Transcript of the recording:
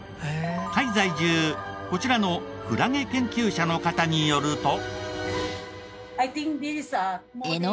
タイ在住こちらのクラゲ研究者の方によると。